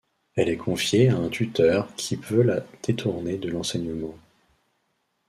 Elle est confiée à un tuteur qui veut la détourner de l'enseignement.